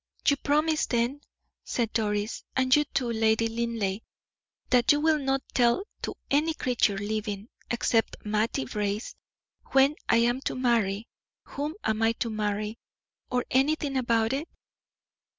"You promise, then," said Doris, "and you too, Lady Linleigh, that you will not tell to any creature living, except Mattie Brace, when I am to marry, whom I am to marry, or anything about it?"